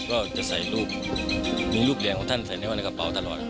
ก็จะใส่รูปมีรูปเหรียญของท่านใส่ในไว้ในกระเป๋าตลอด